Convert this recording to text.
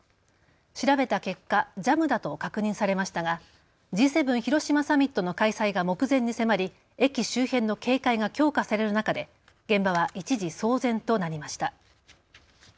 調べた結果、ジャムだと確認されましたがＧ７広島サミットの開催が目前に迫り駅周辺の警戒が強化される中で現場は一時、騒然となりました。